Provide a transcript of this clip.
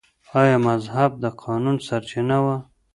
آیا مذهب د قانون سرچینه وه؟